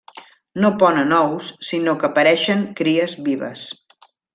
No ponen ous sinó que pareixen cries vives.